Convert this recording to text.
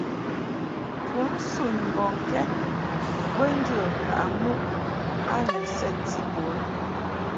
Kunsun mbɔŋkɛd be njə ŋkaʼɨ muʼ a ni nsenti bun a.